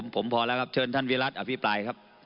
ผมพอแล้วครับเชิญธนวิรัตน์ศิษฐริปรายครับ